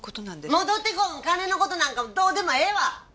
戻ってこん金の事なんかどうでもええわ！